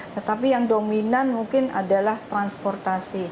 tetapi yang dominan mungkin adalah transportasi